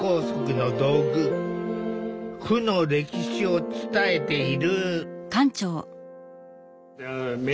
負の歴史を伝えている。